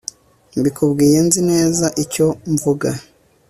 mbikubwiye nzi neza icyo mvuga